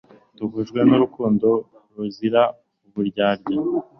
duhujwe n'urukundo ruzira uburyarya